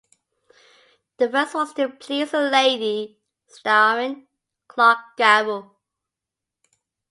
The first was To Please A Lady, starring Clark Gable.